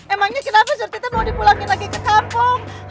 emangnya kenapa surti tuh mau dipulangin lagi ke kampung